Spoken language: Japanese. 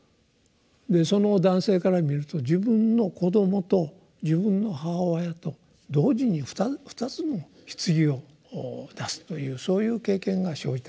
その男性から見ると自分の子どもと自分の母親と同時に２つの棺を出すというそういう経験が生じたと。